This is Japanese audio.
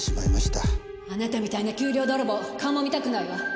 あなたみたいな給料泥棒顔も見たくないわ。